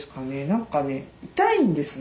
何かね痛いんですよ